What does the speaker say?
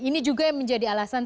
ini juga yang menjadi alasan